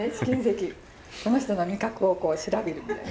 この人の味覚を調べるみたいな。